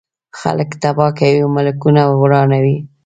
خلک تباه کوي او ملکونه ورانوي.